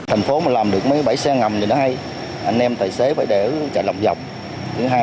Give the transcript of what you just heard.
thành phố mà làm được mấy bãi xe ngầm thì nó hay anh em tài xế phải để chạy lòng vòng thứ hai